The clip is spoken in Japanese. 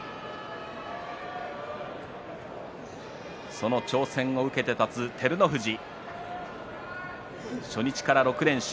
その挑戦を受けて立つ照ノ富士初日から６連勝。